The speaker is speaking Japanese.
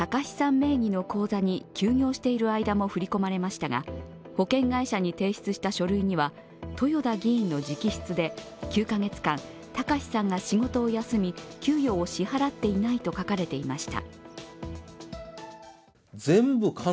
名義の口座に休業している間も振り込まれましたが保険会社に提出した書類には豊田議員の直筆で、９カ月間、貴志さんが仕事を休み給与を支払っていないと書かれていました。